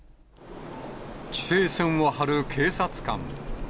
規制線を張る警察官。